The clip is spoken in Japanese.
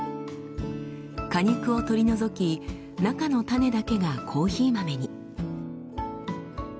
果肉を取り除き中の種だけがコーヒー豆に。